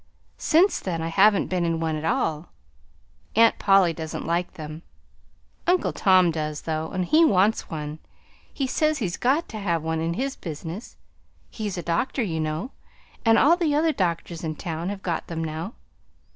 Since then I haven't been in one at all. Aunt Polly doesn't like them. Uncle Tom does, though, and he wants one. He says he's got to have one, in his business. He's a doctor, you know, and all the other doctors in town have got them now.